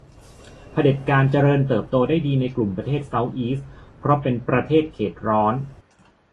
เผด็จการเจริญเติบโตได้ดีในกลุ่มประเทศเซาท์อีสต์เพราะเป็นประเทศเขตร้อน